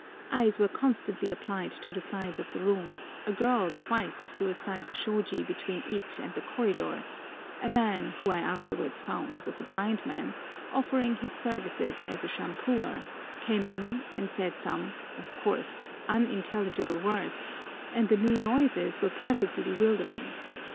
Eyes were constantly applied to the sides of the room, a girl twice drew aside the shôji between it and the corridor; a man, who I afterwards found was a blind man, offering his services as a shampooer, came in and said some (of course) unintelligible words, and the new noises were perfectly bewildering.